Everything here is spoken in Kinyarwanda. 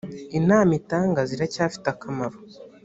inama itanga ziracyafite akamaro.